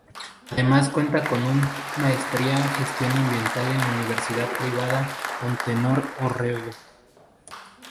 Además cuenta con un maestría Gestión Ambiental en la Universidad Privada Antenor Orrego.